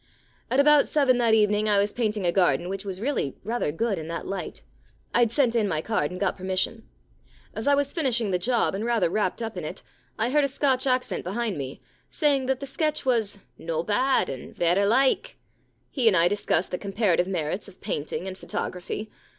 * About seven that evening I was painting a garden which was really rather good in that light. (Fd sent in my card and got permis sion.) As I was finishing the job and rather wrapped up in it I heard a Scotch accent behind me, saying that the sketch was no bad and verra like." He and I dis cussed the comparative merits of painting and photography.